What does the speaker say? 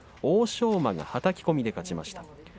欧勝馬がはたき込みで勝ちました。